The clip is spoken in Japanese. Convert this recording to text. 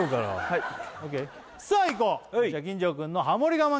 はいさあいこうじゃあ金城くんのハモリ我慢